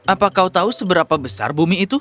apa kau tahu seberapa besar bumi itu